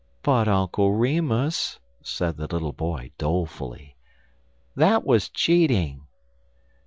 "But, Uncle Remus," said the little boy, dolefully, "that was cheating."